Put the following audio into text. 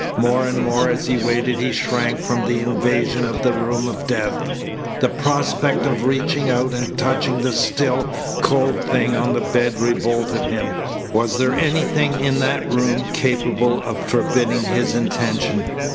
More and more as he waited he shrank from the invasion of the room of death. The prospect of reaching out and touching the still, cold thing on the bed revolted him. Was there anything in that room capable of forbidding his intention?